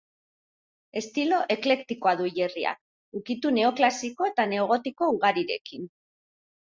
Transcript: Estilo eklektikoa du hilerriak, ukitu neoklasiko eta neogotiko ugarirekin.